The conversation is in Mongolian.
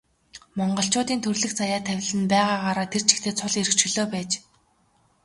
Монголчуудын төрөлх заяа тавилан нь байгаагаараа тэр чигтээ цул эрх чөлөө байж.